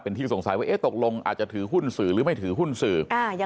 เป็นที่สงสัยว่าตกลงอาจจะถือหุ้นสื่อหรือไม่ถือหุ้นสื่อ